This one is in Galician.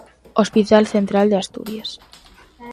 Hospital central de Asturias.